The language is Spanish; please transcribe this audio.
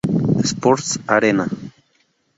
Sports Arena.